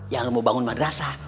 yang mau bangun madrasah